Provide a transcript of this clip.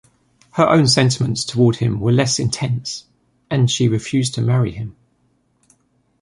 Her own sentiments towards him were less intense, and she refused to marry him.